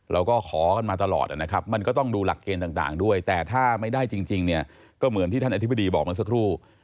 เราก็ขอกันมาตลอดนะครับมันก็ต้องดูหลักเกณฑ์ต่างด้วยแต่ถ้าไม่ได้จริงเนี่ยก็เหมือนที่ท่านอธิบดีบอกเมื่อสักครู่